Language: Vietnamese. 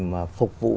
mà phục vụ